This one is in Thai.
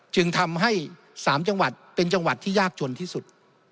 จึงทำให้๓จังหวัดเป็นจังหวัดที่ยากจนที่สุด